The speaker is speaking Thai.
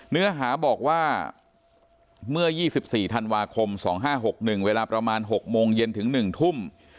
เนื้อหาบอกว่าเมื่อ๒๔ธันวาคม๒๕๖๑เวลาประมาณ๖โมงเย็นถึง๑ทุ่ม